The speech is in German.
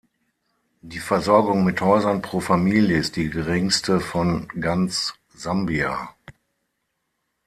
Die Versorgung mit Häusern pro Familie ist die geringste von ganz Sambia.